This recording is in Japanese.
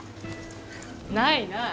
ないない！